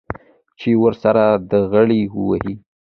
چې ورسره ډغرې ووهي.